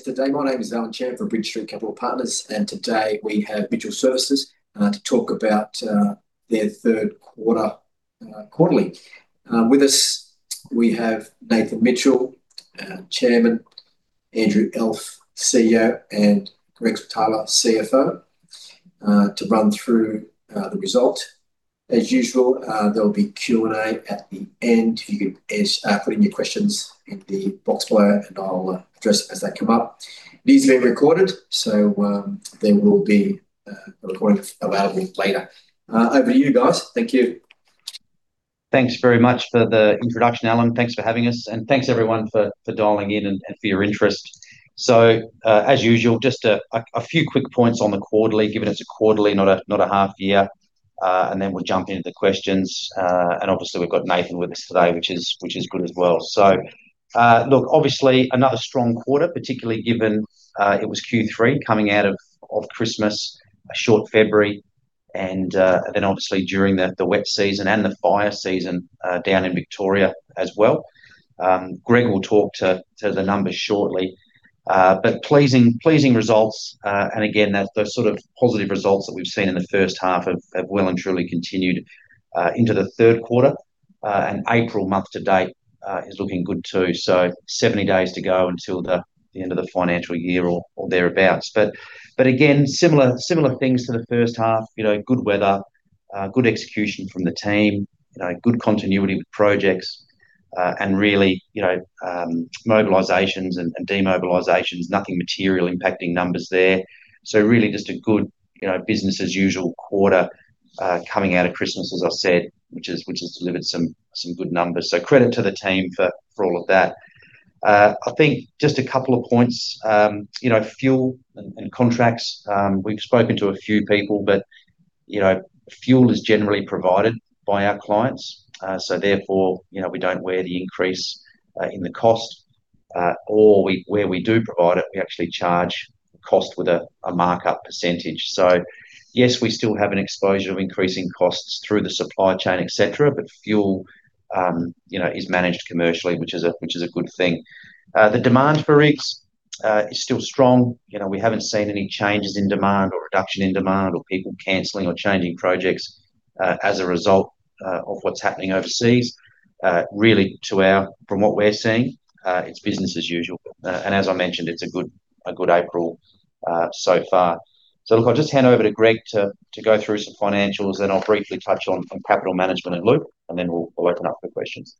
Thanks today. My name is Allen Chan from Bridge Street Capital Partners, and today we have Mitchell Services to talk about their third quarter quarterly. With us, we have Nathan Mitchell, Chairman; Andrew Elf, CEO; and Greg Switala, CFO, to run through the result. As usual, there'll be Q&A at the end. You can put in your questions in the box below, and I'll address as they come up. It is being recorded, so there will be a recording available later. Over to you guys. Thank you. Thanks very much for the introduction, Allen. Thanks for having us, and thanks everyone for dialing in and for your interest. As usual, just a few quick points on the quarterly, given it's a quarterly, not a half year, and then we'll jump into questions. Obviously we've got Nathan Mitchell with us today, which is good as well. Look, obviously another strong quarter, particularly given it was Q3 coming out of Christmas, a short February, and then obviously during the wet season and the fire season down in Victoria as well. Greg will talk to the numbers shortly. Pleasing results. Again, the sort of positive results that we've seen in the first half have well and truly continued into the third quarter. April month-to-date is looking good too. So 70 days to go until the end of the financial year or thereabouts. Again, similar things to the first half. Good weather, good execution from the team, good continuity with projects, and really, mobilizations and demobilizations, nothing material impacting numbers there. Really just a good business-as-usual quarter coming out of Christmas, as I said, which has delivered some good numbers. Credit to the team for all of that. I think just a couple of points. Fuel and contracts, we've spoken to a few people, but fuel is generally provided by our clients. Therefore, we don't wear the increase in the cost. Or where we do provide it, we actually charge cost with a markup percentage. Yes, we still have an exposure of increasing costs through the supply chain, et cetera, but fuel is managed commercially, which is a good thing. The demand for rigs is still strong. We haven't seen any changes in demand or reduction in demand or people canceling or changing projects as a result of what's happening overseas. Really, from what we're seeing, it's business as usual. as I mentioned, it's a good April so far. look, I'll just hand over to Greg to go through some financials, then I'll briefly touch on capital management and Loop, and then we'll open up for questions.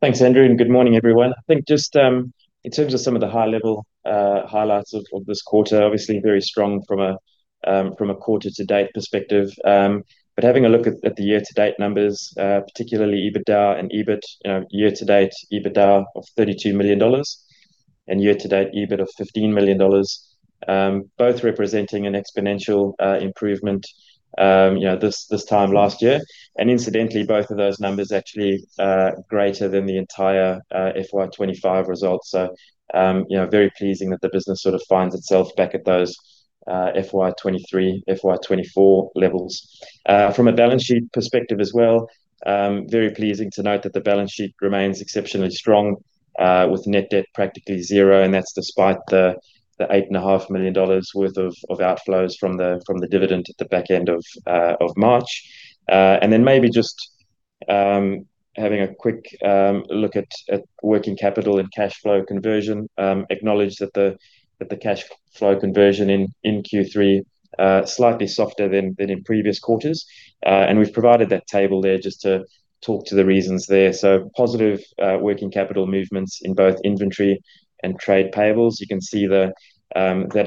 Thanks, Andrew, and good morning, everyone. I think just in terms of some of the high-level highlights of this quarter, obviously very strong from a quarter-to-date perspective. Having a look at the year-to-date numbers, particularly EBITDA and EBIT. Year-to-date EBITDA of 32 million dollars, and year-to-date EBIT of 15 million dollars, both representing an exponential improvement this time last year. Incidentally, both of those numbers actually are greater than the entire FY 2025 results. Very pleasing that the business sort of finds itself back at those FY 2023, FY 2024 levels. From a balance sheet perspective as well, very pleasing to note that the balance sheet remains exceptionally strong, with net debt practically zero, and that's despite the 8.5 million dollars worth of outflows from the dividend at the back end of March. Maybe just having a quick look at working capital and cash flow conversion. Acknowledge that the cash flow conversion in Q3, slightly softer than in previous quarters. We've provided that table there just to talk to the reasons there. Positive working capital movements in both inventory and trade payables. You can see that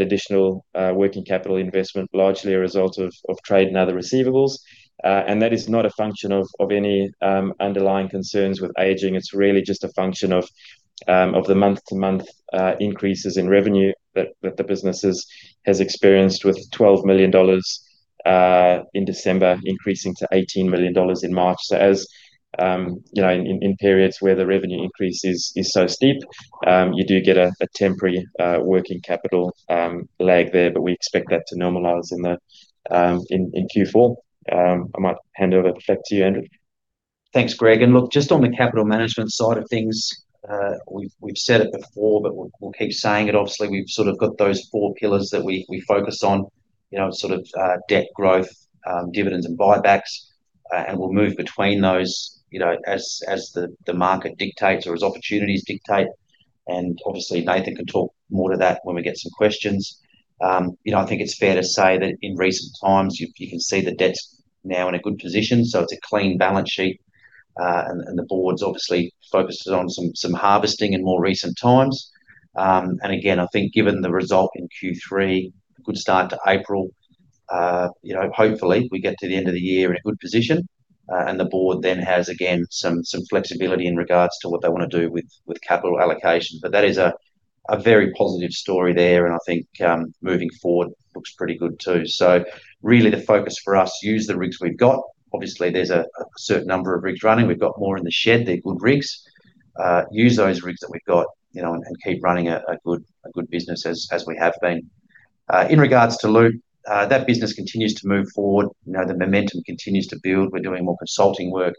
additional working capital investment largely a result of trade and other receivables. That is not a function of any underlying concerns with aging. It's really just a function of the month-to-month increases in revenue that the businesses has experienced with 12 million dollars in December, increasing to 18 million dollars in March. As in periods where the revenue increase is so steep, you do get a temporary working capital lag there, but we expect that to normalize in Q4. I might hand over back to you, Andrew. Thanks, Greg. Look, just on the capital management side of things, we've said it before, but we'll keep saying it. Obviously, we've sort of got those four pillars that we focus on. Sort of debt growth, dividends, and buybacks. We'll move between those as the market dictates or as opportunities dictate. Obviously Nathan can talk more to that when we get some questions. I think it's fair to say that in recent times, you can see the debt's now in a good position. It's a clean balance sheet, and the board's obviously focused on some harvesting in more recent times. Again, I think given the result in Q3 and a good start to April. Hopefully we get to the end of the year in a good position, and the board then has, again, some flexibility in regards to what they want to do with capital allocation. That is a very positive story there and I think moving forward looks pretty good too. Really the focus for us, use the rigs we've got. Obviously there's a certain number of rigs running. We've got more in the shed. They're good rigs. Use those rigs that we've got and keep running a good business as we have been. In regards to Loop, that business continues to move forward. The momentum continues to build. We're doing more consulting work.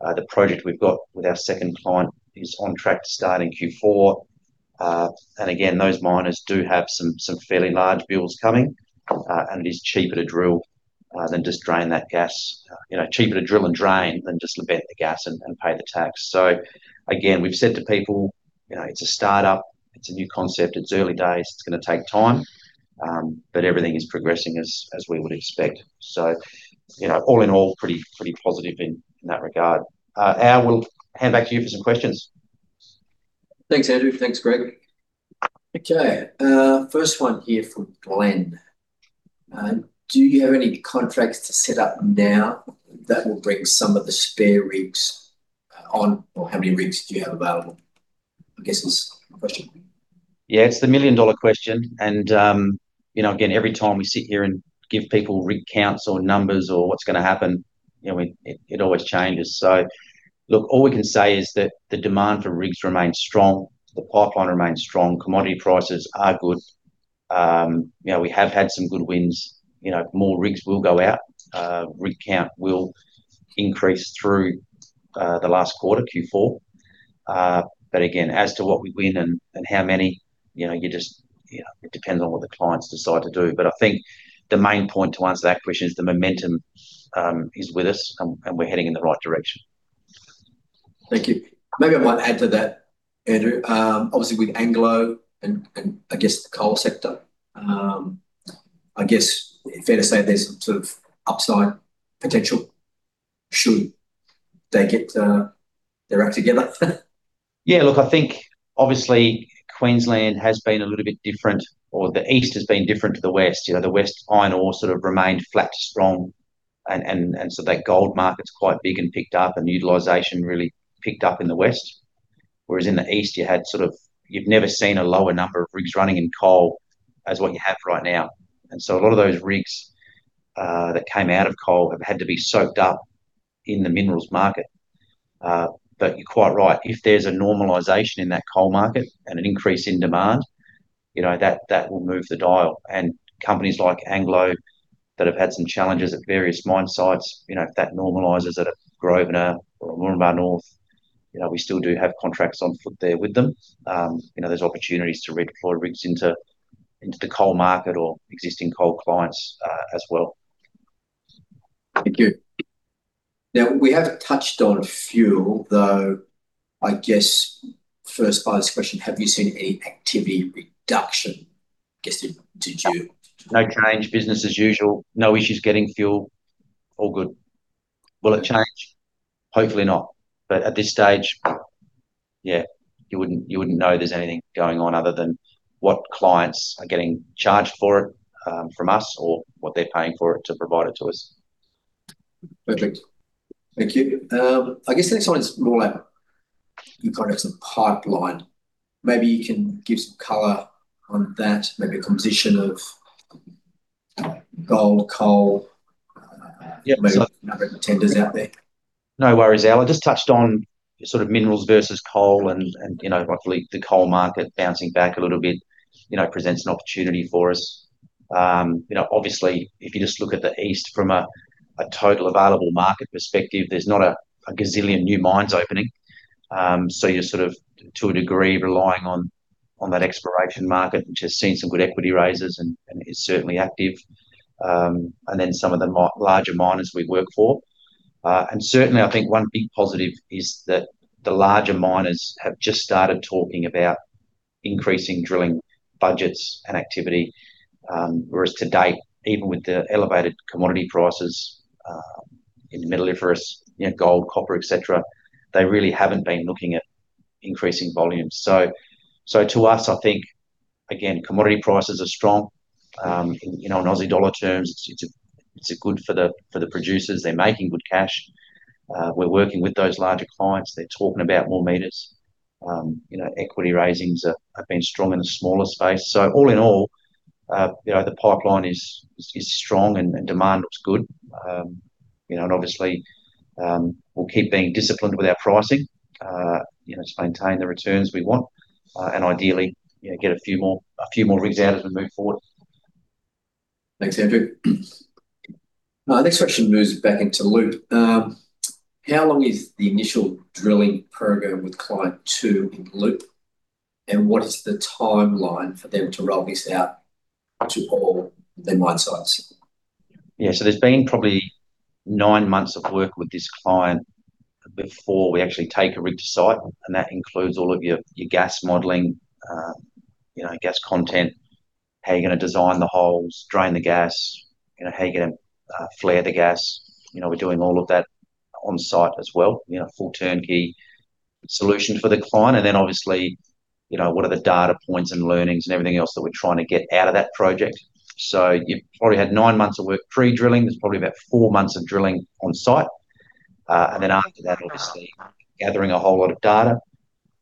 The project we've got with our second client is on track to start in Q4. Those miners do have some fairly large bills coming, and it is cheaper to drill than just drain that gas. Cheaper to drill and drain than just vent the gas and pay the tax. Again, we've said to people, it's a startup, it's a new concept, it's early days, it's going to take time, but everything is progressing as we would expect. All in all, pretty positive in that regard. Al, we'll hand back to you for some questions. Thanks, Andrew. Thanks, Greg. Okay. First one here from Glenn. Do you have any contracts to set up now that will bring some of the spare rigs on, or how many rigs do you have available? I guess is the question. Yeah, it's the million-dollar question, again, every time we sit here and give people rig counts or numbers or what's going to happen, it always changes. Look, all we can say is that the demand for rigs remains strong. The pipeline remains strong. Commodity prices are good. We have had some good wins. More rigs will go out. Rig count will increase through the last quarter, Q4. Again, as to what we win and how many, it depends on what the clients decide to do. I think the main point to answer that question is the momentum is with us, and we're heading in the right direction. Thank you. Maybe I might add to that, Andrew. Obviously, with Anglo and I guess the coal sector, I guess it's fair to say there's some sort of upside potential should they get their act together. Yeah, look, I think obviously Queensland has been a little bit different, or the east has been different to the west. The west iron ore sort of remained flat to strong, and so that gold market's quite big and picked up and utilization really picked up in the west. Whereas in the east, you've never seen a lower number of rigs running in coal as what you have right now. A lot of those rigs that came out of coal have had to be soaked up in the minerals market. You're quite right. If there's a normalization in that coal market and an increase in demand, that will move the dial. Companies like Anglo that have had some challenges at various mine sites, if that normalizes at Grosvenor or Moranbah North, we still do have contracts on foot there with them. There's opportunities to redeploy rigs into the coal market or existing coal clients, as well. Thank you. Now, we haven't touched on fuel, though, I guess first obvious question, have you seen any activity reduction guessing due to fuel? No change. Business as usual. No issues getting fuel. All good. Will it change? Hopefully not. At this stage, yeah, you wouldn't know there's anything going on other than what clients are getting charged for it, from us or what they're paying for it to provide it to us. Perfect. Thank you. I guess the next one is more like your kind of some pipeline. Maybe you can give some color on that, maybe a composition of gold, coal. Yep. Maybe number of tenders out there. No worries, Al. I just touched on sort of minerals versus coal and, luckily the coal market bouncing back a little bit, presents an opportunity for us. Obviously, if you just look at the east from a total available market perspective, there's not a gazillion new mines opening. You're sort of, to a degree, relying on that exploration market, which has seen some good equity raises and is certainly active, and then some of the larger miners we work for. Certainly, I think one big positive is that the larger miners have just started talking about increasing drilling budgets and activity, whereas to-date, even with the elevated commodity prices, in the metalliferous, gold, copper, et cetera, they really haven't been looking at increasing volumes. To us, I think, again, commodity prices are strong. In Australian dollar terms, it's good for the producers. They're making good cash. We're working with those larger clients. They're talking about more meters. Equity raisings have been strong in the smaller space. All in all, the pipeline is strong and demand looks good. Obviously, we'll keep being disciplined with our pricing, to maintain the returns we want. Ideally, get a few more rigs out as we move forward. Thanks, Andrew. Next question moves back into Loop. How long is the initial drilling program with client two in Loop? And what is the timeline for them to roll this out to all their mine sites? Yeah, there's been probably nine months of work with this client before we actually take a rig to site, and that includes all of your gas modeling, gas content, how you're going to design the holes, drain the gas, how you're going to flare the gas. We're doing all of that on-site as well, full turnkey solution for the client. Obviously, what are the data points and learnings and everything else that we're trying to get out of that project. You've probably had nine months of work pre-drilling. There's probably about four months of drilling on-site. After that, obviously gathering a whole lot of data.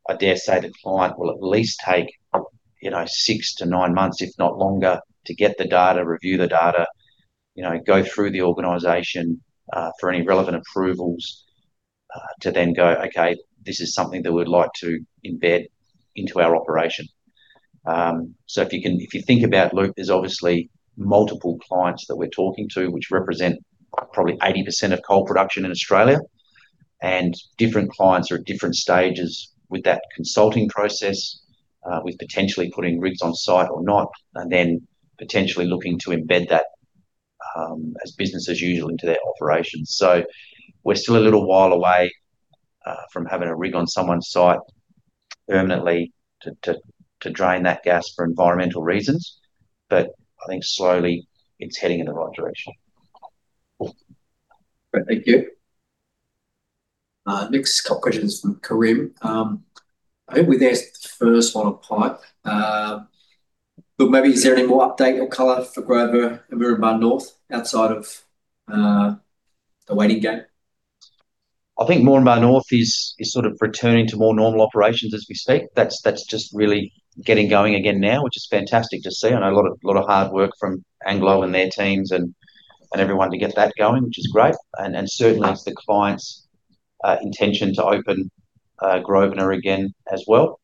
I dare say the client will at least take six to nine months, if not longer, to get the data, review the data, go through the organization, for any relevant approvals, to then go, "Okay, this is something that we'd like to embed into our operation." If you think about Loop, there's obviously multiple clients that we're talking to, which represent probably 80% of coal production in Australia. Different clients are at different stages with that consulting process, with potentially putting rigs on site or not, and then potentially looking to embed that as business as usual into their operations. We're still a little while away from having a rig on someone's site permanently to drain that gas for environmental reasons. I think slowly it's heading in the right direction. Great. Thank you. Next couple questions from Karim. I think we're there, first one on Loop. Maybe is there any more update or color for Grosvenor and Moranbah North outside of the waiting game? I think Moranbah North is sort of returning to more normal operations as we speak. That's just really getting going again now, which is fantastic to see. I know a lot of hard work from Anglo and their teams and everyone to get that going, which is great. Certainly it's the client's intention to open Grosvenor again as well.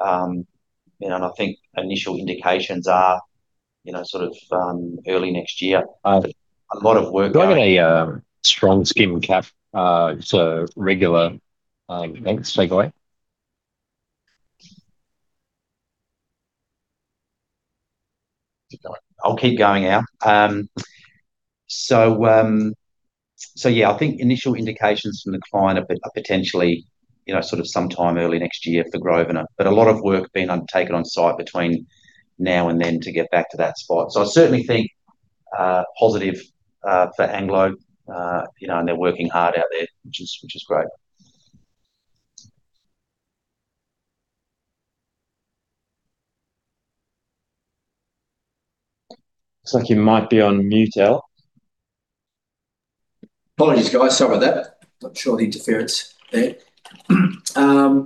I think initial indications are early next year. Grosvenor strong skin cap, regular. Thanks. Take away. Keep going. I'll keep going, Al. Yeah, I think initial indications from the client are potentially, sort of sometime early next year for Grosvenor. A lot of work being undertaken on site between now and then to get back to that spot. I certainly think positive for Anglo, and they're working hard out there, which is great. Looks like you might be on mute, Al. Apologies, guys. Sorry about that. Not sure the interference there.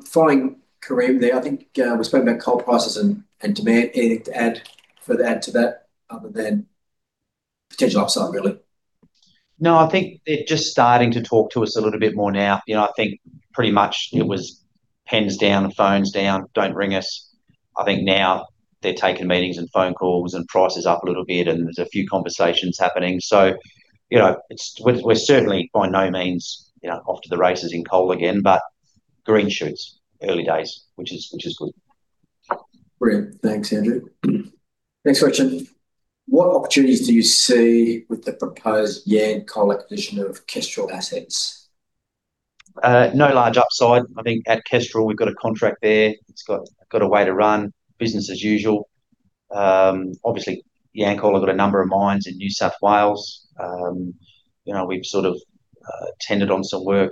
Following Karim there. I think we spoke about coal prices and demand. Anything to add to that other than potential upside, really? No, I think they're just starting to talk to us a little bit more now. I think pretty much it was pens down and phones down. Don't ring us. I think now they're taking meetings and phone calls and price is up a little bit and there's a few conversations happening. We're certainly by no means off to the races in coal again, but green shoots, early days, which is good. Brilliant. Thanks, Andrew. Next question. What opportunities do you see with the proposed Yancoal acquisition of Kestrel assets? No large upside. I think at Kestrel, we've got a contract there. It's got a way to run. Business as usual. Obviously Yancoal have got a number of mines in New South Wales. We've sort of tendered on some work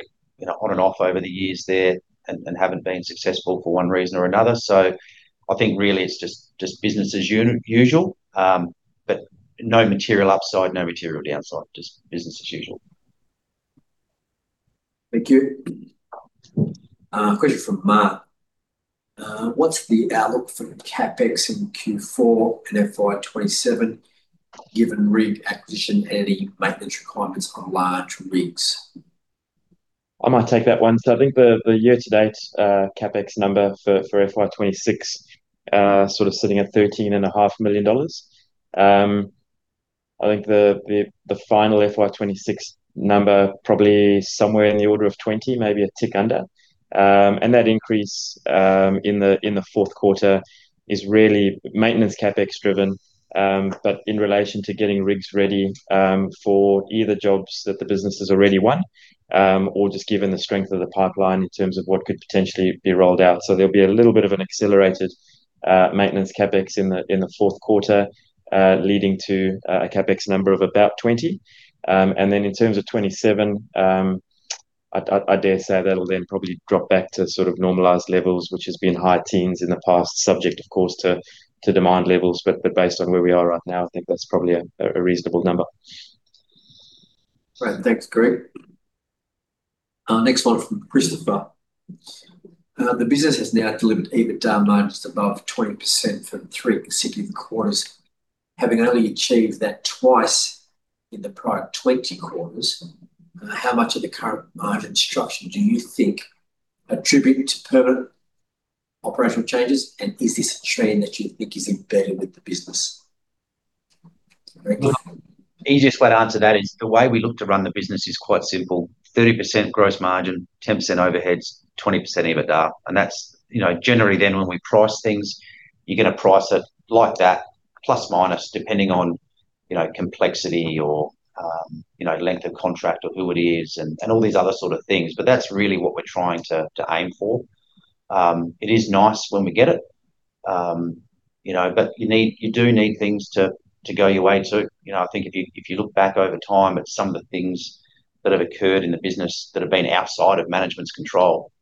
on and off over the years there and haven't been successful for one reason or another. I think really it's just business as usual. No material upside, no material downside, just business as usual. Thank you. Question from Mark. What's the outlook for CapEx in Q4 and FY 2027 given rig acquisition, any maintenance requirements on large rigs? I might take that one. I think the year-to-date, CapEx number for FY 2026, sort of sitting at 13.5 million dollars. I think the final FY 2026 number, probably somewhere in the order of 20 million, maybe a tick under. That increase in the fourth quarter is really maintenance CapEx driven, but in relation to getting rigs ready, for either jobs that the business has already won, or just given the strength of the pipeline in terms of what could potentially be rolled out. There'll be a little bit of an accelerated maintenance CapEx in the fourth quarter, leading to a CapEx number of about 20 million. Then in terms of FY 2027, I dare say that'll then probably drop back to sort of normalized levels, which has been high teens in the past, subject, of course, to demand levels. Based on where we are right now, I think that's probably a reasonable number. Great. Thanks, Greg. Next one from Christopher. The business has now delivered EBITDA margins above 20% for three consecutive quarters, having only achieved that twice in the prior 20 quarters. How much of the current margin structure do you think attributed to permanent operational changes, and is this a trend that you think is embedded with the business? Andrew. Easiest way to answer that is the way we look to run the business is quite simple. 30% gross margin, 10% overheads, 20% EBITDA. That's, generally then when we price things, you're going to price it like that, plus or minus, depending on complexity or length of contract or who it is and all these other sort of things. That's really what we're trying to aim for. It is nice when we get it. You do need things to go your way, too. I think if you look back over time at some of the things that have occurred in the business that have been outside of management's control,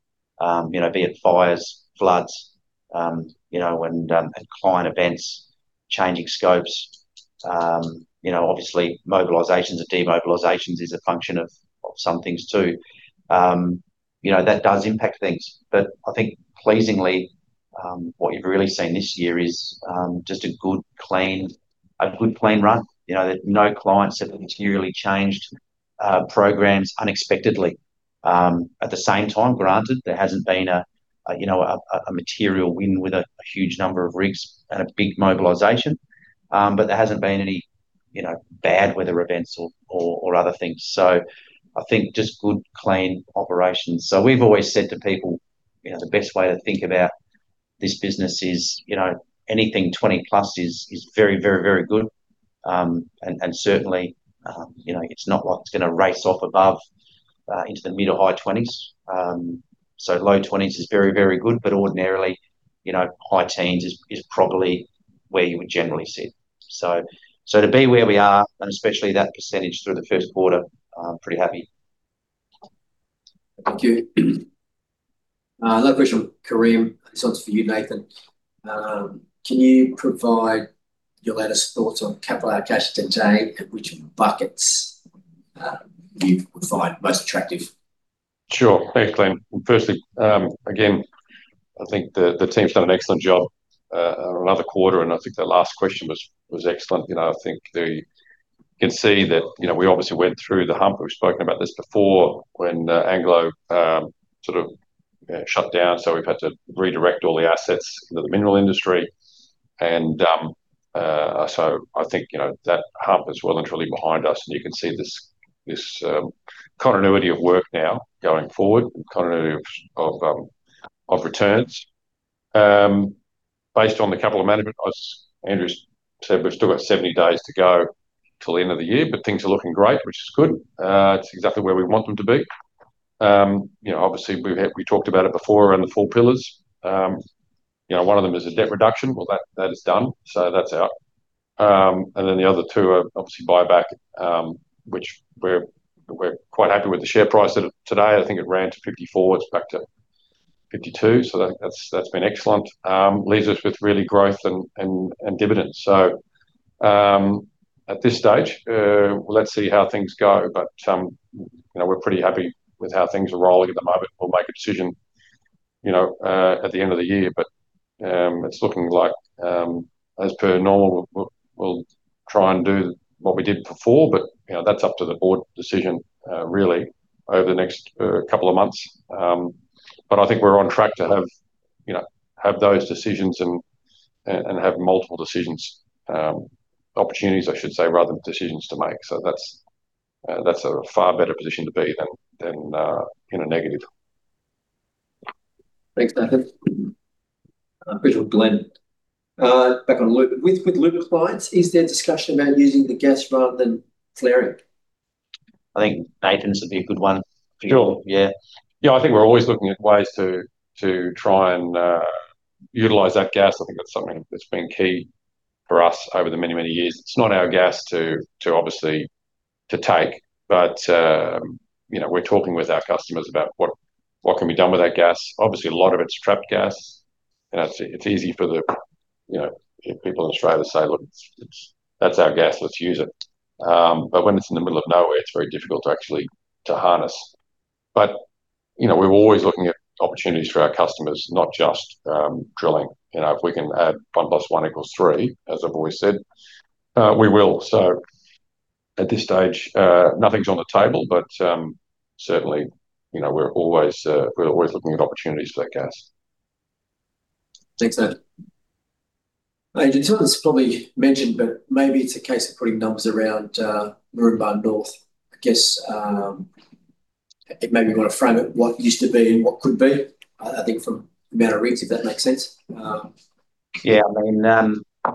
be it fires, floods, and client events, changing scopes. Obviously mobilizations or demobilizations is a function of some things, too. That does impact things. I think pleasingly, what you've really seen this year is just a good, clean run. No clients have materially changed programs unexpectedly. At the same time, granted, there hasn't been a material win with a huge number of rigs and a big mobilization, but there hasn't been any. You know, bad weather events or other things. I think just good clean operations. We've always said to people, the best way to think about this business is, anything 20%+ is very good. And certainly, it's not like it's going to race off above into the mid- or high 20s%. So low 20s% is very good, but ordinarily, high 10s% is probably where you would generally sit. To be where we are, and especially that percentage through the first quarter, I'm pretty happy. Thank you. Another question from Karim. This one's for you, Nathan. Can you provide your latest thoughts on capital allocation today and which buckets you would find most attractive? Sure. Thanks, Allen. Firstly, again, I think the team's done an excellent job another quarter, and I think the last question was excellent. I think you can see that we obviously went through the hump. We've spoken about this before when Anglo sort of shut down. We've had to redirect all the assets into the mineral industry. I think that hump is well and truly behind us and you can see this continuity of work now going forward, continuity of returns. Based on the couple of management, as Andrew said, we've still got 70 days to go till the end of the year, but things are looking great, which is good. It's exactly where we want them to be. Obviously, we talked about it before around the four pillars. One of them is a debt reduction. Well, that is done, so that's out. The other two are obviously buyback, which we're quite happy with the share price today. I think it ran to 0.54. It's back to 0.52. That's been excellent. Leaves us with really growth and dividends. At this stage, let's see how things go. We're pretty happy with how things are rolling at the moment. We'll make a decision at the end of the year. It's looking like, as per normal, we'll try and do what we did before, but that's up to the board decision really over the next couple of months. I think we're on track to have those decisions and have multiple decisions. Opportunities, I should say, rather than decisions to make. That's a far better position to be than in a negative. Thanks, Nathan. A question from Glenn. Back on Loop. With Loop clients, is there discussion about using the gas rather than flaring? I think Nathan's would be a good one for you. Sure, yeah. Yeah, I think we're always looking at ways to try and utilize that gas. I think that's something that's been key for us over the many years. It's not our gas to obviously take. We're talking with our customers about what can be done with that gas. Obviously, a lot of it's trapped gas, and it's easy for the people in Australia to say, "Look, that's our gas. Let's use it." When it's in the middle of nowhere, it's very difficult to actually harness. We're always looking at opportunities for our customers, not just drilling. If we can add one plus one equals three, as I've always said, we will. At this stage, nothing's on the table, but certainly, we're always looking at opportunities for that gas. Thanks, Nathan. Andrew, some of this is probably mentioned, but maybe it's a case of putting numbers around Moranbah North. I guess, maybe you want to frame it what used to be and what could be. I think from the amount of rigs, if that makes sense. Yeah.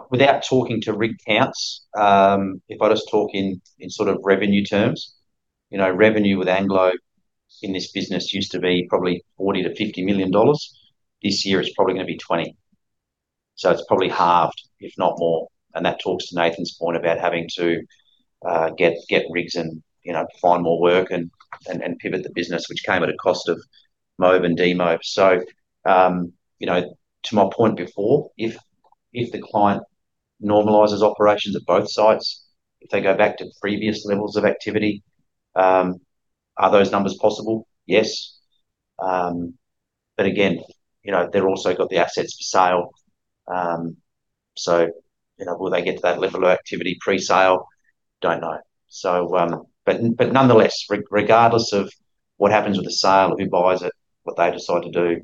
Without talking to rig counts, if I just talk in sort of revenue terms. Revenue with Anglo in this business used to be probably 40 million-50 million dollars. This year it's probably going to be 20 million. It's probably halved, if not more. That talks to Nathan's point about having to get rigs and find more work and pivot the business, which came at a cost of mob and demob. To my point before, if the client normalizes operations at both sites, if they go back to previous levels of activity, are those numbers possible? Yes. Again, they've also got the assets for sale. Will they get to that level of activity pre-sale? Don't know. Nonetheless, regardless of what happens with the sale of who buys it, what they decide to do.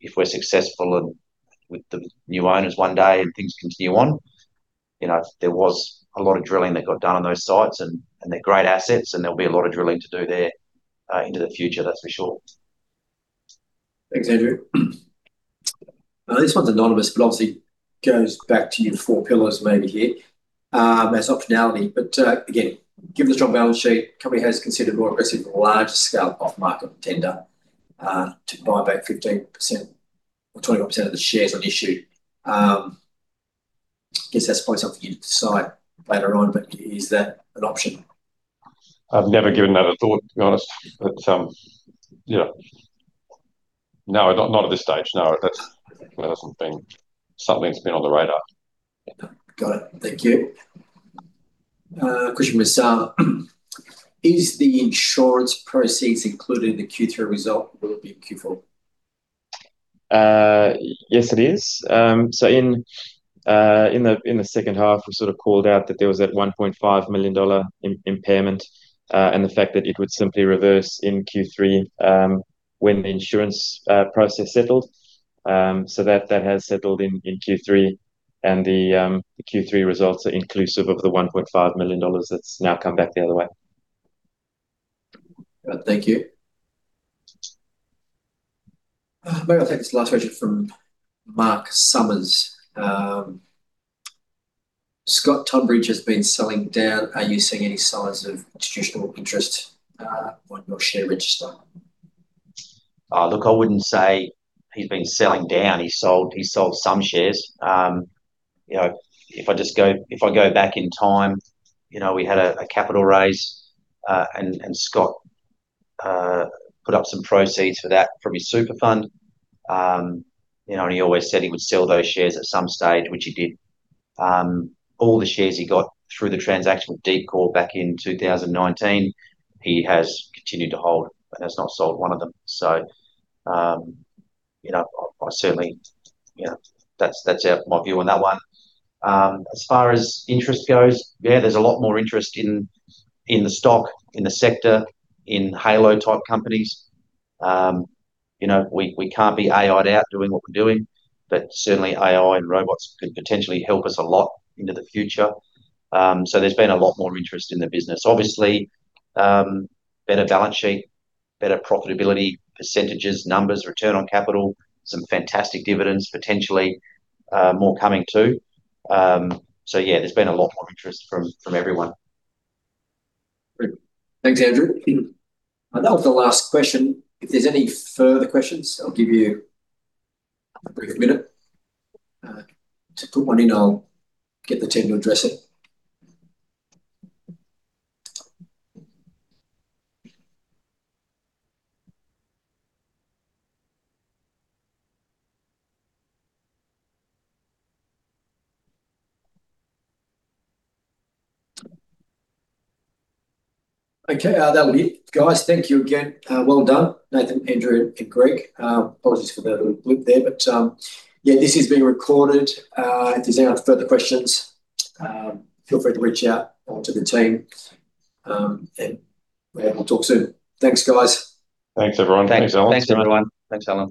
If we're successful with the new owners one day and things continue on. There was a lot of drilling that got done on those sites and they're great assets and there'll be a lot of drilling to do there into the future, that's for sure. Thanks, Andrew. This one's anonymous, but obviously goes back to your four pillars maybe here, as optionality. Again, given the strong balance sheet, company has considered more aggressively larger scale off-market tender, to buy back 15% or 20% of the shares on issue. I guess that's probably something you decide later on, but is that an option? I've never given that a thought, to be honest. No, not at this stage, no. That hasn't been something that's been on the radar. Got it. Thank you. A question from Sal. Is the insurance proceeds included in the Q3 result or will it be in Q4? Yes, it is. In the second half, we sort of called out that there was that 1.5 million dollar impairment, and the fact that it would simply reverse in Q3. When the insurance process settles, that has settled in Q3, and the Q3 results are inclusive of the 1.5 million dollars that's now come back the other way. Thank you. Maybe I'll take this last question from Mark Summers. Scott Tumbridge has been selling down. Are you seeing any signs of institutional interest on your share register? Look, I wouldn't say he's been selling down. He's sold some shares. If I go back in time, we had a capital raise, and Scott put up some proceeds for that from his super fund. He always said he would sell those shares at some stage, which he did. All the shares he got through the transaction with Deepcore back in 2019, he has continued to hold and has not sold one of them. That's my view on that one. As far as interest goes, yeah, there's a lot more interest in the stock, in the sector, in hard-rock type companies. We can't be AI'd out doing what we're doing, but certainly AI and robots could potentially help us a lot into the future. There's been a lot more interest in the business. Obviously, better balance sheet, better profitability percentages, numbers, return on capital, some fantastic dividends, potentially, more coming too. Yeah, there's been a lot more interest from everyone. Great. Thanks, Andrew. That was the last question. If there's any further questions, I'll give you a brief minute to put one in. I'll get the team to address it. Okay, that will be it, guys. Thank you again. Well done, Nathan, Andrew, and Greg. Apologies for the little blip there. Yeah, this is being recorded. If there's any further questions, feel free to reach out to the team, and we'll talk soon. Thanks, guys. Thanks, everyone. Thanks, Alan.